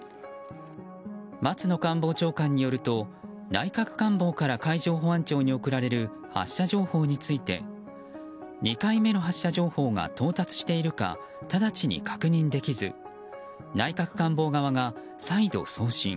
松野官房長官によると内閣官房から海上保安庁に送られる発射情報について２回目の発射情報が到達しているかただちに確認できず内閣官房側が再度、送信。